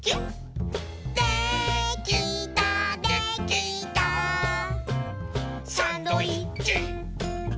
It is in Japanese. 「できたできたサンドイッチイェイ！」